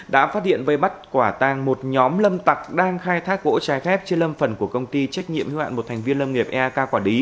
đã phát hiện với bắt quả tàng một nhóm lâm tặc đang khai thác vỗ trái khép trên lâm phần của công ty trách nhiệm hiệu ạn một thành viên lâm nghiệp eak